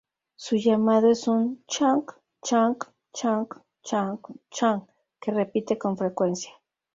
Su llamado es un "chonk-chonk-chonk-chonk-chonk" que repite con frecuencia.